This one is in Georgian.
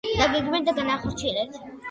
დაგეგმეთ და განახორცილეთ